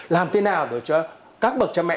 làm thế nào để cho các bậc cha mẹ